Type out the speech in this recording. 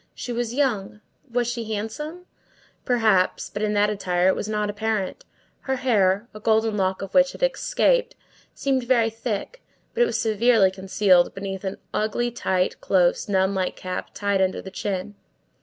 She was young. Was she handsome? Perhaps; but in that attire it was not apparent. Her hair, a golden lock of which had escaped, seemed very thick, but was severely concealed beneath an ugly, tight, close, nun like cap, tied under the chin.